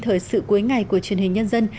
thời sự cuối ngày của truyền hình nhân dân